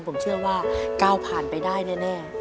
ผมเชื่อว่าก้าวผ่านไปได้แน่